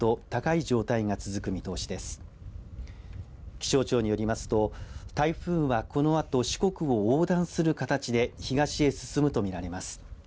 気象庁によりますと台風はこのあと四国を横断する形で東へ進むとみられます。